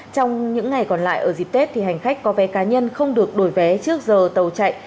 trong những ngày còn lại ở dịp tết thì hành khách có vé cá nhân không được đổi vé trước giờ tàu chạy